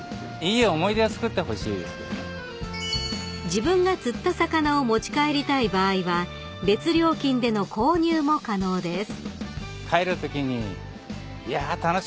［自分が釣った魚を持ち帰りたい場合は別料金での購入も可能です］